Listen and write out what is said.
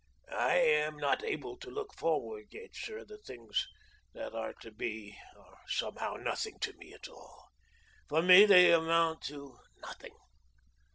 "I am not able to look forward yet, sir. The things that are to be are somehow nothing to me at all. For me they amount to nothing."